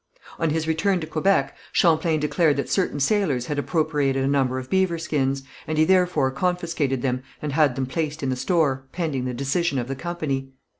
On his return to Quebec, Champlain declared that certain sailors had appropriated a number of beaver skins, and he therefore confiscated them and had them placed in the store, pending the decision of the company.